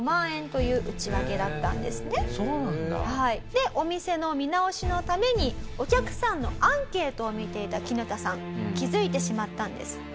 でお店の見直しのためにお客さんのアンケートを見ていたキヌタさん気付いてしまったんです。